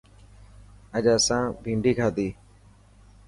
اڄ اسان ڀينڊي کادي.